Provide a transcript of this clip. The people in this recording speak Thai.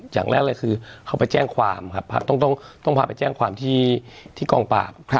อย่างแรกเลยคือเขาไปแจ้งความครับต้องพาไปแจ้งความที่กองปราบ